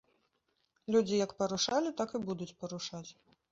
Людзі як парушалі, так і будуць парушаць.